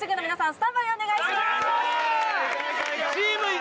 スタンバイお願いします